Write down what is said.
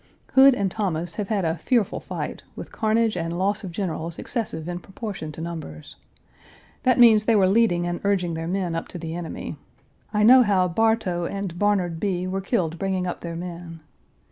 Hood and Thomas have had a fearful fight, with carnage and loss of generals excessive in proportion to numbers. That means they were leading and urging their men up to the enemy. I know how Bartow and Barnard Bee were killed bringing up their men.